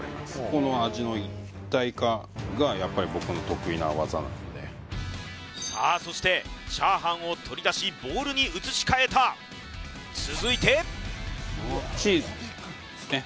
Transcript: この味の一体化がやっぱり僕の得意な技なのでさあそして炒飯を取り出しボウルに移し替えた続いてチーズですね